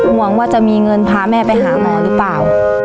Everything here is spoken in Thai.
หวังว่าจะมีเงินพาแม่ไปหาหมอหรือเปล่า